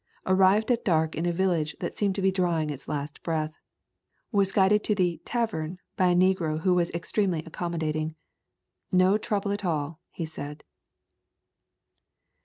Arrived at dark in a village that seemed to be drawing its last breath. Was guided to the "tavern" by a negro who was ex tremely accommodating. "No trouble at all," he said.